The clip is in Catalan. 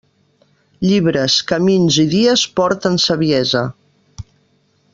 Llibres, camins i dies porten saviesa.